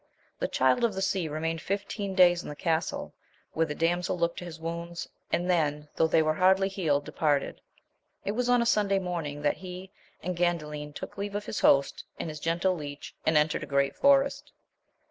The Child of the Sea remained fifteen' days in that castle, where the damsel looked to his wounds, and then, though they were hardly healed, departed. It was on a Sunday morning that he and Gandalin took leave of his host and his gentle leech, and entered a great forest.